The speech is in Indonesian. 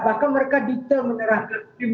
maka mereka detail menyerahkan tim